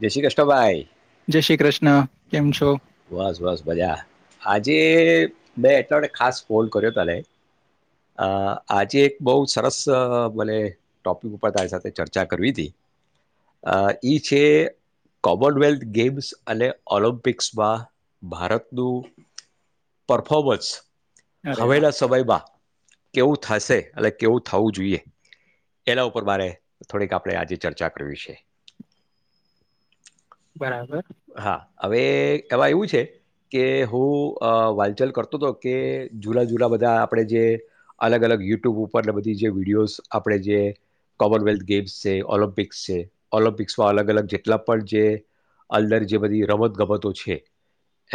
જય શ્રી કૃષ્ણભાઈ. જય શ્રી કૃષ્ણ કેમ છો. બસ બસ બજા આજે મેં એટલા ખાસ ફોન કર્યો તલે આજે એક બહુ સરસ મને ટોપિક ઉપર તારી સાથે ચર્ચા કરવી હતી ઈ છે કોમનવેલ્થ ગેમ્સ અને ઓલમ્પિક્સ. ભારતનું પરફોર્મન્સ. અરે હવે વાહ! ના સમય મા કેવું થશે અને કેવું થવું જોઈએ એના ઉપર મારે થોડીક આપણે આજે ચર્ચા કરવી છે. બરાબર. હા હવે એવા એવું છે કે હું વાંચલ કરતો હતો કે જૂના જૂના બધા આપણે જે અલગ અલગ યુટ્યુબ ઉપરને બધી જે વિડીિયોસ આપણે જે કોમનવેલ્થ ગેમ્સ છે ઓલમ્પિક્સ છે ઓલમ્પિક્સમાં અલગ અલગ જેટલા પણ જે. અંદર જે બધી રમતગમતો છે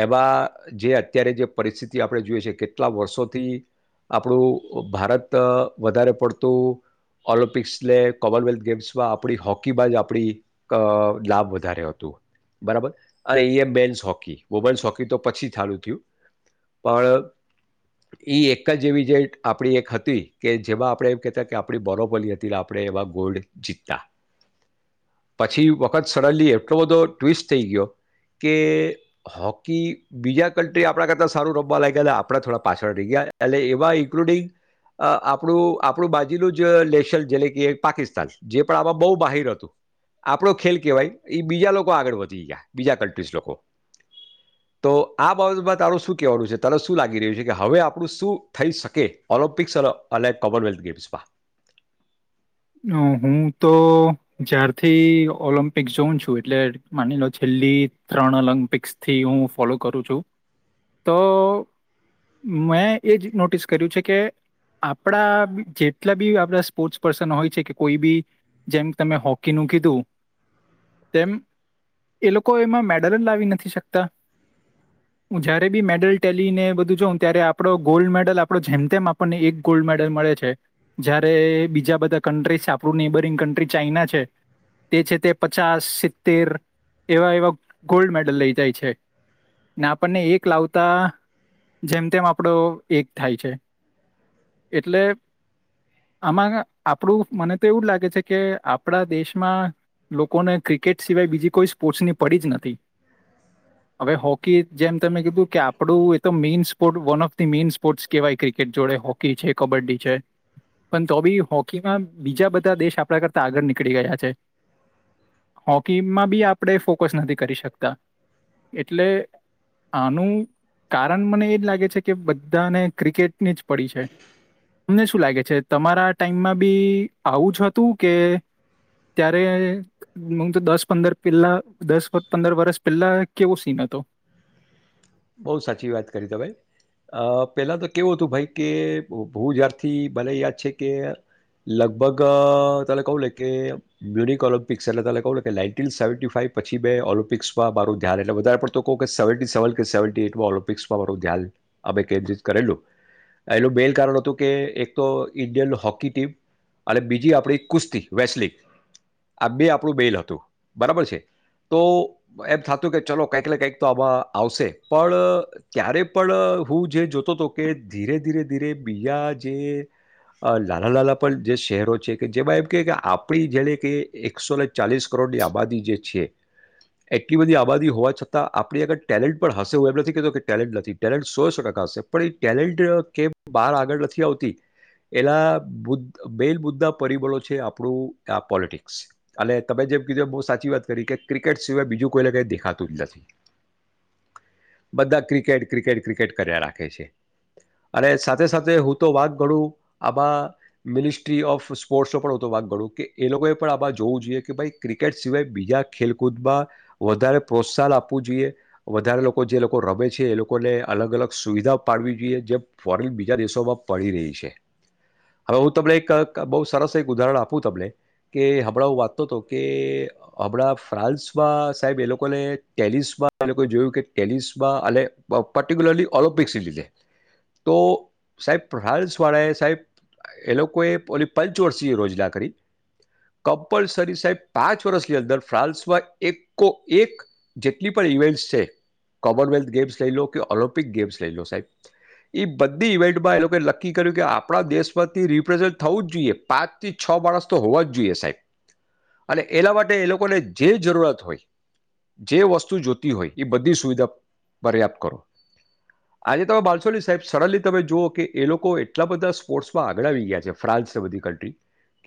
એમાં જે અત્યારે જે પરિસ્થિતિ આપણે જોઈએ છે કેટલા વર્ષોથી આપણું ભારત વધારે પડતું ઓલમ્પિક્સ લ કોમનવેલ્થ ગેમ્સમાં આપણી હોકીમાં જ આપણી લાભ વધારે હતોું. બરાબર અને એ એ મેન્સ હોકી વુમેન્સ હોકી તો પછી ચાલુ થયું પણ એ એક જ એવી જે આપણી એક હતી કે જેમાં આપણે એમ કહેતા કે આપ બરોબલી હતી આપણે એમાં ગોલ્ડ જીતતા પછી વખત સડનલી એટલો બધો. ટ્વિસ્ટ થઈ ગયો કે હોકી બીજા કન્ટ્રી આપણા કરતાં સારું રમવા લાગ્યા હતા આપણા થોડા પાછળ રહી ગયા એટલે એવા ઇન્ક્લુડિંગ આપણું આપણું બાજુલ જ નેેશન જેટલે કે પાકિસ્તાન જે પણ આમાં બહુ બાહર હતું આપણો ખેલ કહેવાય એ બીજા લોકો. આગળ વધી ગયા બીજા કન્ટ્રીસ લોકો તો આ બાબતમાં તારું શું કવાનું છે તને શું લાગી રહ્યું છે કે હવે આપણું શું થઈ શકે ઓલમ્પિક્સ કોમનવેલ્થ ગેમ્સમાં. હું તો જ્યારથી ઓલમ્પિક્સ જોઉં છું એટલે માની લો છેલ્લી ત્રણ ઓલમ્પિક્સ થી હું ફોલો કરું છું તો મેં એ જ નોટિસ કર્યું છે કે આપણા જેટલા બી આપડા સ્પોર્ટ્સ પર્સન હોય. કોઈ બી જેમ તમે હોકીનુંું કીધું તેમ એ લોકો એમાં મેડલ જ લાવી નથી શકતા હ જયારે બી મેડલ ટેલીને બધું જોઉ ત્યારે આપો ગોલ્ડ મેડલ આપ જેમ તેમ આપણને એક ગોલ્ડ મેડલ મળે છે જારે બીજા બધા. કન્ટ્રી છે આપણું નેબરિંગ કન્ટ્રી ચાાઈના છે તે છે તે પચાસ સિત્તેર એવા એવા ગોલ્ડ મેડલ લઈ જાય છે ને આપણને એક લાવતા જેમ તેમ આપણો એક થાય છે એટલે આમાં. આપણું મને તો એવું લાગે છે કે આપણા દેશમાં લોકોને ક્રિકેટ સિવાય બીજી કોઈ સ્પોર્ટ્સની પડી જ નથી હવે હોકી જેમ તમે કીધું કે આપણું એ તો main sport one of the main sports કહેવાય ક્રિકેટ જોડે હોકી છે કબડ્ડી છે પણ તો બી હો હોકીમાં બીજા બધા દેશ આપણા કરતા આગળ નીકળી ગયા છે હોકીમાં બી આપણે ફોકસ નથી કરી શકતા એટલે આનું કારણ મને એ જ લાગે છે કે બધાને ક્રિકેટની જ પડી છે તમને શું લાગે છે તમારા ટાઈમમાં બી આવું જ હતું કે ત્યારે હ તો દસ પંદર પેલા દસ પંદર વર્ષ પેલા કેવો સીન હતો. બો સાચી વાત કરી તમે અ પેલા તો કેવું હતું ભાઈ કે હું જ્યારથી મને યાદ છે કે લગભગ અ તને કહું કે મ્યુનિક ઓલિ્પિક્સ એટલે ત કહુંને કે નાઈટી સેવેન્ટી ફાઇવ પછી બે ઓલિમ્પિક્સમાં મારું ધ્યાન એટલે વધારે પણ તો કહું કે સેવનટી સેવન માં ઓલમ્પિક્સમાં મારું ધ્યાન અમે કેન્દ્રિત કરેલું આ એનું મેન કારણ હતું કે એક તો ઈન્ડિયન હોકી ટીમ અને બીજી આપડી કુસ્તી વેસ્ટલીગ આ બે આપણું બેલ હતું બરાબર છે તો એમ થતું કે ચલો કઈક ને કઈક તો આમાં આવશે પણ ત્યારે પણ હું જે જોતો હતો કે ધીરે ધીરે ધીરે બીજા જે લાનાં લાનાં પણ જે શહેરો છે કે જેમાં એમ કહે કે આપણી જેણે કે એકસો ને ચાલીસ કરોડની આબાદી જે છે એટલી બધી આબાદી હોવા છતાં આપણી આગર ટેલેન્ટ પણ હશે હું એમ નથી કીધું કે ટેલેન્ટ નથી ટેલેન્ટ સોએ સો ટકા હશે પણ એ ટેલેન્ટ કેમ બાર આગળ નથી આવતી એના બદ્ મેઇન મુદ્દા પરિબળો છે આપણું આ પોલિટિક્સ અને તમે જેમ કીધું બહુ સાચી વાત કરી કે ક્રિકેટ સિવાય બીજું કોઈને કંઈ દેખાતું જ નથી. બધા ક્રિકેટ ક્રિકેટ ક્રિકેટ કર્યા રાખે છે અને સાથે સાથે હું તો વાક ગણું આમાં મિનિસ્ટ્રી ઓફ સ્પોર્ટ્સનો પણ તો વાક ગણું કે એ લોકોએ પણ આ જોવું જોઈએ કે ભાઈ ક્રિકેટ સિવાય બીજા ખેલકૂદમાં વધારે પ્રોત્સાહન આપવું જોઈએ. વધારે લોકો જે લોકો રમે છે એ લોકોને અલગ અલગ સુવિધા પાડવી જોઈએ જે ફોરેન બીજા દેશોમાં પડી રહી છે હવે હું તમને એક બહુ સરસ એક ઉદાહરણ આપું તમને કે હમણાં હું વાચતો હતો કે હમણાં ફ્રાન્સમાં સાહેબ એ લોકોને ટેનિસમાં જોય કે ટેનિસમાં અને પર્ટિક્યુલરલી ઓલમ્પિક્સ લીધે તો સાહેબ ફ્રાન્સ વાળાએ સાહેબ એ લોકોએ ઓલી પંચવર્ષીય રોજના કરી કમ્પલસરી સાહેબ પાંચ વર્ષની અંદર ફ્રાસમાં એકો એક જેટલી ઇવેન્ટ્સ છે કોમનવેલ્થ ગેમ્સ લઈ લો કે ઓલિમ્પિક ગેમ્સ લઈ લો સાહેબ એ બધી ઇવેન્ટમાં એ લોકો નક્કી કર્યું કે આપણા દેશમાંથી રિપ્રેઝેન્ટ થવું જ જોઈએ પાંચ થી છ માણસ તો હોવા જ જોઈએ સાહેબ અને એલા માટે એ લોકોને જે જરૂરત હોય જે વસ્તુ જો જોતી હોય એ બધી સુવિધા પર્યાપ્ત કરો આજે તમે માનસો ની સાહેબ સડનલી તમે જુઓ કે એ લોકો એટલા બધા સ્પોર્ટ્સમાં આગળ આવી ગયા છે ફ્રાન્સ બધી કન્ટ્રી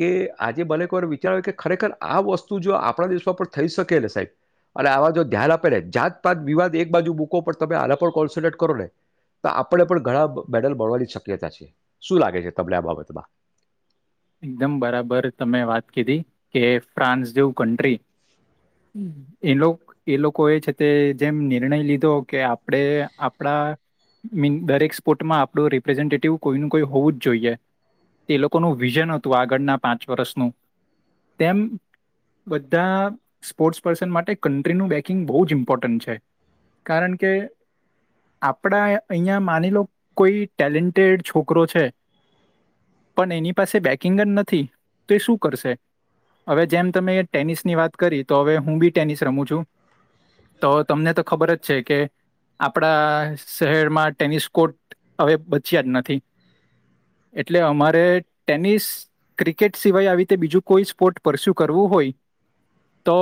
કે આજે મને એક વાર વિચાર આવ્યો કે ખરેખર આ વસ્તુ જો આપણા દેશ પર થઈ શકેને સાહેબ અને આવા જો ધ્યાન આપ જાત પાત વિવાદ એક બાજુ બૂકો તમે આને પણ કોન્સ્રેટ કરો ને તો આપણે પણ ઘણા મેડલ મળવાની શક્યતા છે શું લાગે છે તમને આ બાબતમાં. એકદમ બરાબર તમે વાત કીધી કે ફ્રાન્સ જેવું કન્ટ્રી એ લોક એ લોકો એ છે તે જેમ નિર્ણય લીધો કે આપણે આપણા મીન દરેક સ્પોર્ટમાં આપણું રિપ્રેઝન્ટેટિવ કોઈ કોઈ હોવું જ જોઈએ તે લોકોનું વિઝન હતું આગળના પાંચ વર્ષનું તેમ બધા સ્પોર્ટ્સ પર્સન માટે કન્ટ્રીનું બેકિંગ બહુ જ ઇમ્પોર્ટન્ટ છે કારણ કે આપણા અહીંયા માની લો કોઈ ટેલેન્ટેડ છોકરો છે પણ એની પાસે બેકિંગ જ નથી તો એ શું કરશે હવે જેમ તમે ટેનિસની વાત કરી તો હવે હું બી ટેનિસ રમું છું તો તમને તો ખબર જ છે કે આપણા શહેરમાં ટેનિસ કોર્ટ હવે બચ્યા જ નથી એટલે અમારે ટેનિસ ક્રિકેટ સિવાય આવી રીતે બીજું કોઈ સ્પોર્ટ પરસ્યુ કરવું હોય તો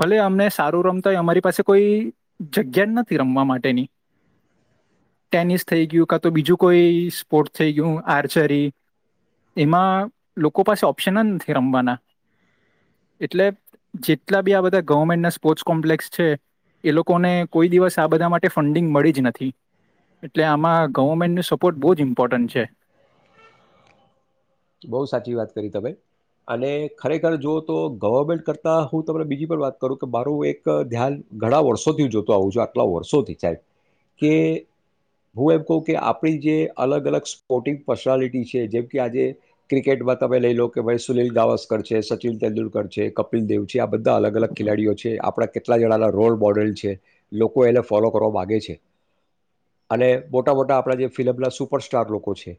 ભલે અમને સારું રમતા હોય અમારી પાસે કોઈ જગ્યા જ નથી રમવા માટેની ટેનિસ થઈ ગયું કા તો બીજું કોઈ સ્પોર્ટ થઈ ગયું આર્ચરી એમાં લોકો પાસે ઓપ્શન જ નથી રમવાના એટલે જેટલા બી આ બધા ગવર્મેન્ટના સ્પોર્ટ્સ કોમ્પ્લેક્સ છે એ લોકોને કોઈ દિવસ આ બધા માટે ફંડિંગ મળી જ નથી એટલે આમાં ગવર્મેન્ટનો સપોર્ટ બો જ ઈમ્પોર્ટન્ટ છે. બહુ સાચી વાત કરી તમે અને ખરેખર જોઉં તો ગવર્મેન્ટ કરતાં હું તમને બીજી પણ વાત કરું કે મારું એક ધ્યાન ઘણા વર્ષોથી જોતો આવું છું આટલા વર્ષોથી સાહેબ કે હું એમ કહું કે આપણી જે અલગ અલગ સ્પોર્ટિંગ પર્સનાલિટી છે જેમ કે આજે ક્રિકેટમાં તમે લઈ લો કે ભાઈ સુનિલ ગાવસ્કર છે સચિન તેંદુલકર છે કપિલ દેવ છે આ બધા અલગ અલગ ખેલાડીઓ છે આપણા કેટલા જણાના રોલ મોડેલ છે લોકો એને ફોલો કરવા માગે છે અને મોટા મોટા આપણા જે ફિલમના સુપરસ્ટાર લોકો છે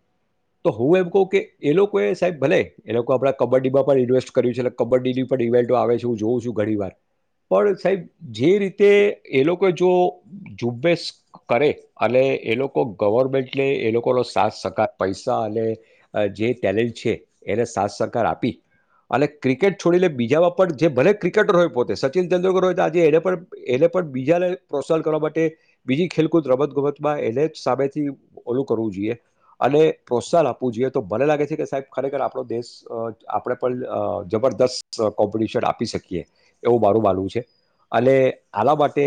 તો હું એમ કહું કે એ લોકોએ સાહેબ ભલે એ લોકો આપણા કબડ્ડીમાં પણ ઇન્વેસ્ટ કર્યું છે એટલે કબડ્ડીની પણ ઇવેન્ટો આવે છે હું જોઉં છું ઘણી વાર પણ સાહેબ જે રીતે એ લોકો જો ઝુંબેશ કરે અને એ લોકો ગવર્મેન્ટને એ લોકોનો સાથ સહકાર પૈસા અને જે ટેલેન્ટ છે એને સાથ સહકાર આપી અને ક્રિકેટ છોડીને બીજામાં પણ જે ભલે ક્રિકેટર હોય પોતે સચિન તેંદુલકર હોય તો આજેને એને પણ એને પણ બીજાને પ્રોત્સાહન કરવા માટે બીજી ખેલકૂદ રમત ગમતમાં એને જ સામેથી ઓલું કરવું જોઈએ અને પ્રોત્સાહન આપવું જોઈએ તો મને લાગે છે કે સાહેબ ખરેખર આપણો દેશ આપણે પણ જબરદસ્ત કોમ્પિટિશન આપી શકીએ એવું મારું માનવું છે અને આલા માટે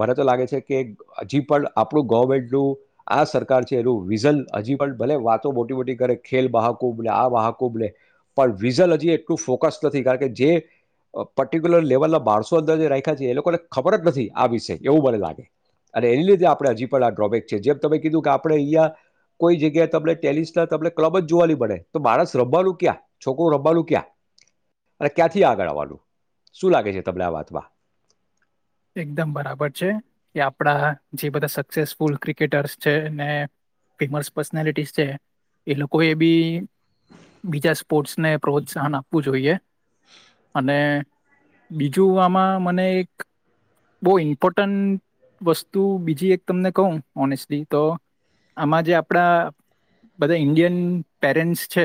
મને તો લાગે છે કે હજી પણ આપણું ગવર્મેન્ટનું આ સરકાર છે એનું વિઝન હજી પણ ભલે વાતો મોટી મોટી કરે ખેલ મહાકુંભ ને આ વાહખુભ ને પણ વિઝલ હજી એટલું ફોકસ નથી કારણ કે જે પર્ટિક્યુલર લેવલના માણસો અંદર જે રાખ્યા છે એ લોકોને ખબર જ નથી આ વિષ એવું મને લાગે અને એની લીધે આપણે હજી પણ આ ડ્રોબેક છે જેમ તમે કીધું કે આપણે અહીંયા કોઈ જગ્યાએ તમને ટેનિસના તમને ક્લબ જ જોવાની મડે તો માણસ રમવાનું ક્યા છોકરું રમવાનું ક્યાં અને ક્યાંથી આગળ આવવાનું શું લાગે છે તમને આ વાતમાં? એકદમ બરાબર છે કે આપણા જે બધા સક્સેસફુલ ક્રિકેટર્સ છે ને ફેમસ પર્સનાલિટી છે એ લોકો એ બી બીજા સ્પોર્ટને પ્રોત્સાહન આપવું જોઈએ. અને બીજું આમાં મને એક બો ઇમ્પોર્ટન્ટ વસ્તુ બીજી એક તમને કહું ઓનેસ્ટલી તો આમાં જે આપડા બધા ઈન્ડિયન પેરેન્ટસ છે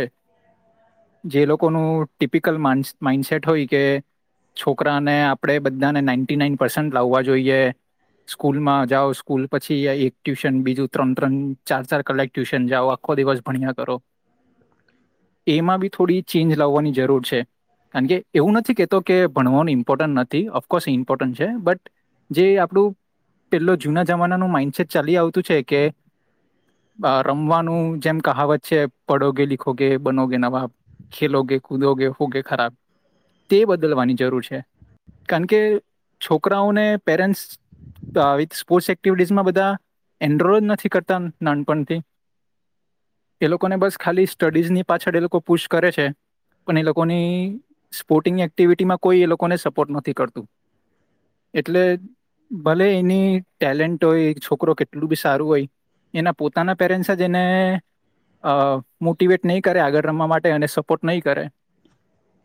જે લોકોનું ટીપિકલ માઈન્ડસેટ હોય કે છોકરાને આપણે બધાને નાન્ટી નાઇન પર્સન્ટ લાવવા જોઈએ સ્કૂલમાં જાઓ સ્કૂલ પછી એક ટ્યુશન બીજું ત્રણ ત્રણ ચાર ચાર કલાક ટ્યુશન જાઓ આખો દિવસ ભણ્યા કરો એમાં બી થોડી ચેન્જ લાવવાની જરૂર છે કારણ કે એવું નથી કેતો કે ભણવાનું ઇમ્પોર્ટન્ટ નથી ઓફકોર્સ ઇમ્પોર્ ટન છે બટ જે આપણું પેલો જુના જમાનાનું માઈન્ડસેટ ચાલી આવતું છે કે રમવાનું જેમ કાહા વત છે પડોગે લીખોગે બનોગે નવાબ ખેલોગે કૂદોગે હોગે ખરાબ તે બદલવાની જરૂર છે કારણ કે છોકરાઓને પેરેન્ટ્સ વિથ સ્પોર્ટ્સ એક્ટિવિટીસમાં બધા એનરોલ નથી કરતા નાનપણથી એ લોકોને બસ ખાલી સ્ટડીઝની પાછળ એ લોકો પુશ કરે છે પણ એ લોકોની સ્પોર્ટિંગ એક્ટિવિટીમાં કોઈ એ લોકોને સપોર્ટ નથી કરતું. એટલે ભલે એની ટેલેન્ટ હોય છોકરો કેટલું બી સારું હોય એના પોતાના પેરેન્ટ્સ જ એને મોટીવેટ નહીં કરે આગળ રમવા માટે અને સપોર્ટ નહીં કરે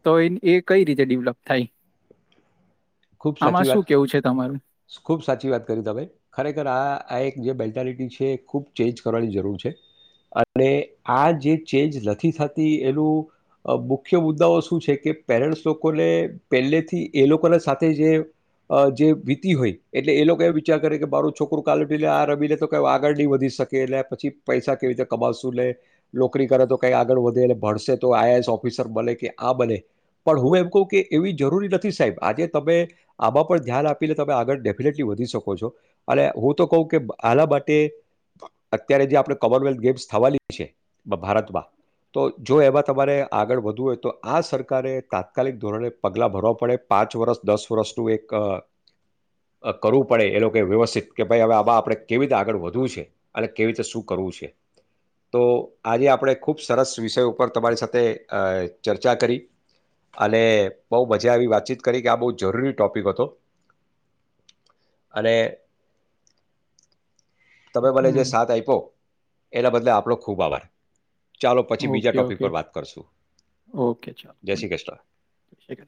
તો એ કઈ રીતે ડેવલપ થાય. ખુબ આમાં સાચી શું વાત કેવું છે તમારું ખુબ સાચી વાત કરી તમે ખરેખર આ એક જે બેલ્ટ મેન્ટલિટી છે ખૂબ ચેન્જ કરવાની જરૂર છે અને આ જે ચેન્જ નથી થતી એનું મુખ્ય મુદ્દાઓ શું છે કે પેરેન્ટ્સ લોકોને પહેલેથી એ લોકોના સાથે તે જે અ જે વીતી હોય એટલે એ લોકો એ વિચાર કરે કે મારું છોકરું કાલે આ રમી લે તો ક આગળ નહી વધી શકે એટલે પછી પૈસા કેવી રીતે કમાશું લે નોકરી કરે તો કઈ આગળ વધે અને ભણશે તો આઈઆએસ ઓફિસર બને કે આ બને પણ હું એમ કહું કે એવી જરૂરી નથી સાહેબ આજે તમે આમાં પણ ધ્યાન આપીને તમે આગળ ડેફિનેટલી વધી શકો છો અને હું તો કહું કે આના માટે અત્યારે જે આપણે કોમનવેલ્થ ગેમ્સ થવાની છે ભારતમાં તો જો એમાં તમારે આગળ વધવું હોય તો આ સરકારે તાત્કાલિક ધોરણે પગલા ભરવા પડે પાંચ વર્ષ દસ વર્ષનું એક કરવું પડે એ લોકો વ્યવસ્થિત કે ભાઈ હવે આમાં આપણે કેવી રીતે આગળ વધવું છે અને કેવી રીતે શું કરવું છે તો આજે આપણે ખૂબ સરસ વિષય ઉપર તમારી સાથે ચર્ચા કરી અને બહુ મજા આવી વાતચીત કરી કે આ બો જરૂરી ટોપિક હતો અને તમે મને જે હમ સાથ આયપો એના બદલે આપણો ખૂબ આભાર. ચાલો પછી બીજા ઓકે ટોપિક ઓકે પર વાત કરશું ઓકે ચાલો જે શ્રી કૃષ્ણ. જય શ્રી કૃષ્ણ